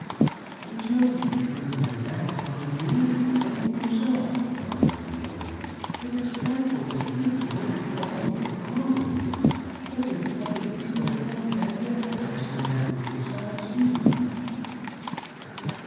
"There's nobody turning their back upon you, only yourself," Polly replied; "but it's frightful to hear the way you're always a grumbling; as if other people hadn't had their ups and downs besides you."